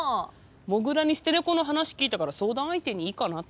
もぐらに捨てネコの話聞いたから相談相手にいいかなって。